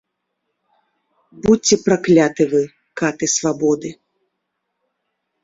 Будзьце пракляты вы, каты свабоды!